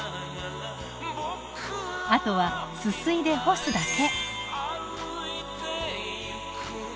あとはすすいで干すだけ。